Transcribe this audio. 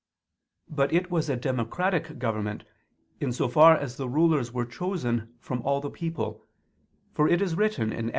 But it was a democratical government in so far as the rulers were chosen from all the people; for it is written (Ex.